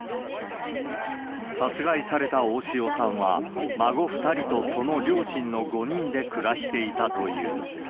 殺害された大塩さんは、孫２人とその両親の５人で暮らしていたという。